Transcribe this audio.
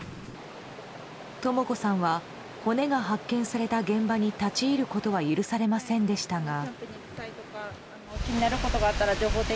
とも子さんは骨が発見された現場に立ち入ることは許されませんでしたが。